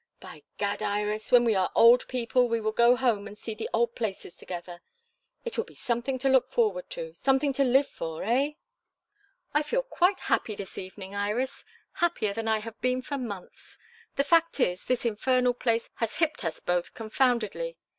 By Gad, Iris! when we are old people we will go home and see the old places together. It will be something to look forward to something to live for eh?" "I feel quite happy this evening, Iris; happier than I have been for months. The fact is, this infernal place has hipped us both confoundedly.